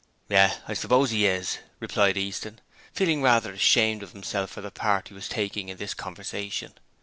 'Yes, I suppose 'e is,' replied Easton, feeling rather ashamed of himself for the part he was taking in this conversation.